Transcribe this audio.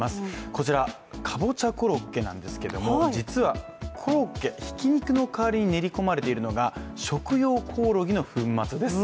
こちら、かぼちゃコロッケなんですけれども実はコロッケひき肉の代わりに練り込まれているのが食用コオロギの粉末です。